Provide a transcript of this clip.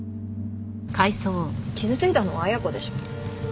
傷ついたのは恵子でしょ。